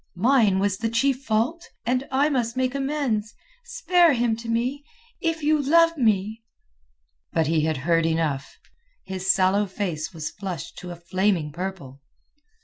Mine was the chief fault. And I must make amends. Spare him to me! If you love me...." But he had heard enough. His sallow face was flushed to a flaming purple.